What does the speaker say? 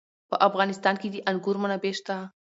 په افغانستان کې د انګور منابع شته.